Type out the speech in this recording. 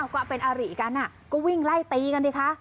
ก็เป็นอาริกันก็วิ่งไล่ตีกันดิคะ